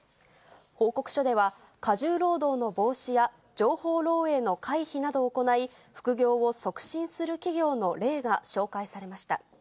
報告書では、過重労働の防止や、情報漏えいの回避などを行い、副業を促進する企業の例が紹介されました。